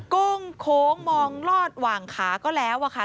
โก้งโค้งมองลอดหว่างขาก็แล้วอะค่ะ